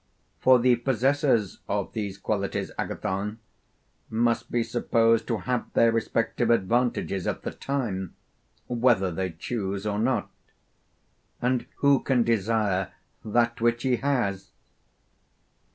For the possessors of these qualities, Agathon, must be supposed to have their respective advantages at the time, whether they choose or not; and who can desire that which he has?